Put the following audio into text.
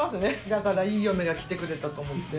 だからいい嫁が来てくれたと思って。